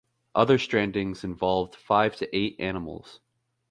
Other strandings involved five to eight animals.